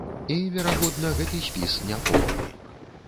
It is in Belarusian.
І, верагодна, гэты спіс няпоўны.